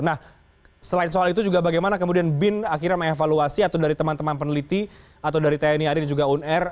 nah selain soal itu juga bagaimana kemudian bin akhirnya mengevaluasi atau dari teman teman peneliti atau dari tni ad dan juga unr